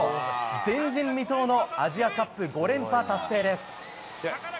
前人未到のアジアカップ５連覇達成です。